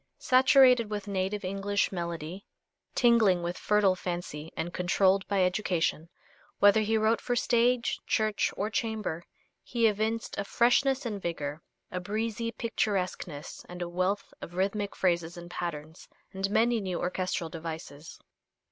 Saturated with native English melody, tingling with fertile fancy and controlled by education, whether he wrote for stage, church, or chamber, he evinced a freshness and vigor, a breezy picturesqueness and a wealth of rhythmic phrases and patterns, and many new orchestral devices.